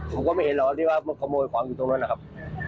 ผมก็ไม่เห็นหรอที่ว่ามาขโมยของอยู่ตรงนั้นนะครับ